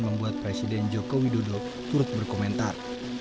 membuat presiden joko widodo turut berkomentar